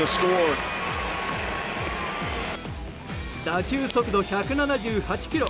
打球速度１７８キロ。